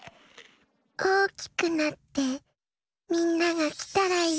おおきくなってみんながきたらいいな。